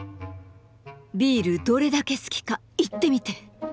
ビールどれだけ好きか言ってみて！